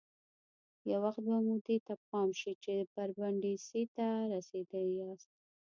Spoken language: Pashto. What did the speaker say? یو وخت به مو دې ته پام شي چې برېنډېسي ته رسېدلي یاست.